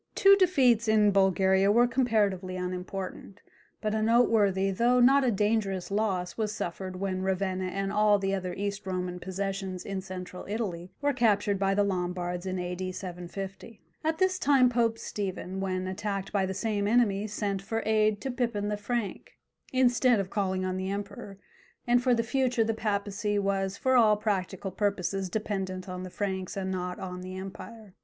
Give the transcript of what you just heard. Two defeats in Bulgaria were comparatively unimportant, but a noteworthy though not a dangerous loss was suffered when Ravenna and all the other East Roman possessions in Central Italy were captured by the Lombards in A.D. 750. At this time Pope Stephen, when attacked by the same enemy, sent for aid to Pipin the Frank, instead of calling on the Emperor, and for the future the papacy was for all practical purposes dependent on the Franks and not on the empire.